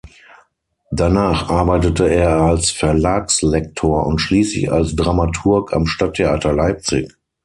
Danach arbeitete er als Verlagslektor und schließlich als Dramaturg am Stadttheater Leipzig.